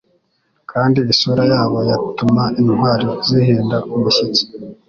kandi isura yabo yatuma intwari zihinda umushyitsi